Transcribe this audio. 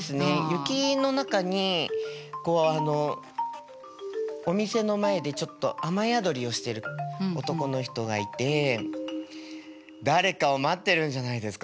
雪の中にお店の前でちょっと雨宿りをしている男の人がいて誰かを待っているんじゃないですか？